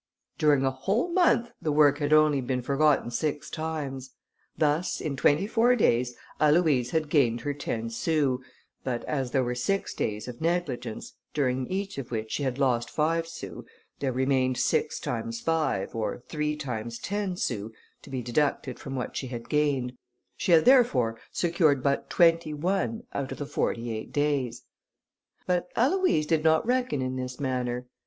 During a whole month the work had only been forgotten six times; thus, in twenty four days, Aloïse had gained her ten sous, but as there were six days of negligence, during each of which she had lost five sous, there remained six times five, or three times ten sous, to be deducted from what she had gained; she had, therefore, secured but twenty one, out of the forty eight days. But Aloïse did not reckon in this manner.